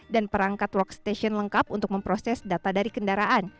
dan perangkat workstation lengkap untuk memproses data dari kendaraan